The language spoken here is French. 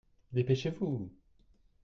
Dépêchez-vous !